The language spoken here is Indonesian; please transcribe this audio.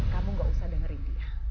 kamu gak usah dengerin dia